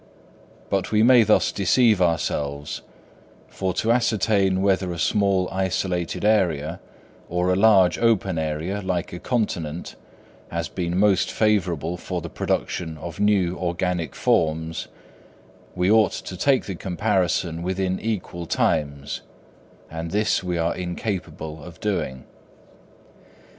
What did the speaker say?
But we may thus deceive ourselves, for to ascertain whether a small isolated area, or a large open area like a continent, has been most favourable for the production of new organic forms, we ought to make the comparison within equal times; and this we are incapable of doing.